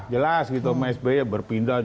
jelas gitu sby berpindah